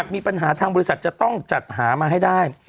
มีปัญหาทางบริษัทจะต้องจัดหามาให้ได้